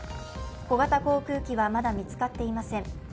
小型航空機はまだ見つかっていません。